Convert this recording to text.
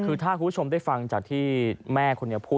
คือถ้าคุณผู้ชมได้ฟังจากที่แม่คนนี้พูด